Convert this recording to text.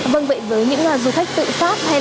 vâng vậy với những du khách tự pháp